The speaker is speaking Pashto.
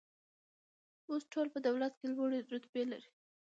اوس ټول په دولت کې لوړې رتبې لري